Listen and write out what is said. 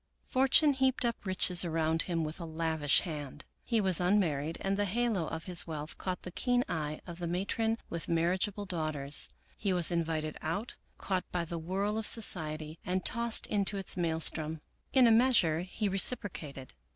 Fortune heaped up riches around him with a lavish hand. He was unmarried and the halo of his wealth caught the keen eye of the matron with marriage able daughters. He was invited out, caught by the whirl of society, and tossed into its maelstrom. In a measure he reciprocated.